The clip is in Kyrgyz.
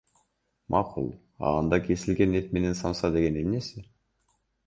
Макул, а анда кесилген эт менен самса дегени эмнеси?